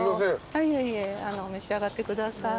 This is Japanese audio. いえいえ召し上がってください。